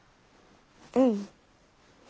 うん。